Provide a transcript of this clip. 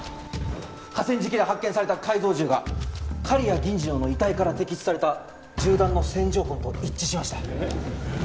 河川敷で発見された改造銃が刈谷銀次郎の遺体から摘出された銃弾の線条痕と一致しました。